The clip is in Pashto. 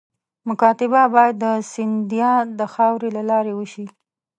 مکاتبه باید د سیندهیا د خاوري له لارې وشي.